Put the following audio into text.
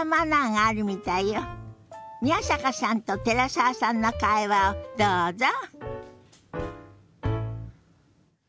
宮坂さんと寺澤さんの会話をどうぞ。